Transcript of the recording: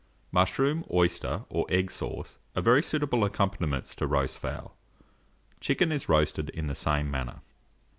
Mushroom, oyster, or egg sauce are very suitable accompaniments to roast fowl. Chicken is roasted in the same manner.